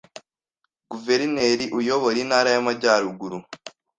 Guverineri uyobora Intara y’Amajyaruguru